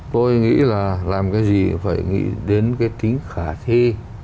tôi nghĩ là làm cái gì phải nghĩ đến cái tính khả thi